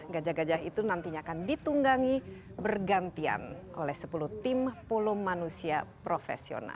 gajah gajah itu nantinya akan ditunggangi bergantian oleh sepuluh tim polo manusia profesional